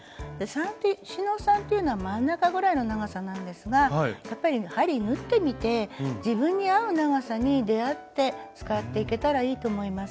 四ノ三というのは真ん中ぐらいの長さなんですがやっぱり針縫ってみて自分に合う長さに出会って使っていけたらいいと思います。